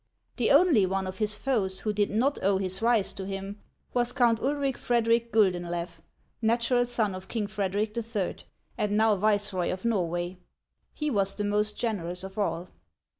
The only one of his foes who did not owe his rise to him was Count Ulric Frederic Guldenlew, natural son of King .Frederic III., and now viceroy of Norway. He was the most generous of all.